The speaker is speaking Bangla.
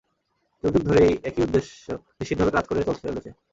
যুগ যুগ ধরে এই একই উদ্দেশ্য নিশ্চিতভাবে কাজ করে চলেছে।